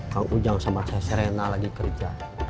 kang ujang sama saya serena lagi kerja